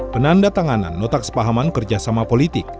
penanda tanganan notak sepahaman kerjasama politik